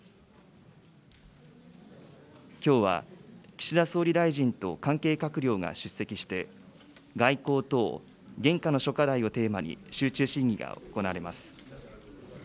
きょうは岸田総理大臣と関係閣僚が出席して、外交等現下の諸課題をテーマに集中審議が行われます。